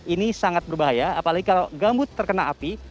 ini sangat berbahaya apalagi kalau gambut terkena api